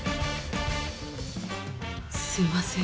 すいません。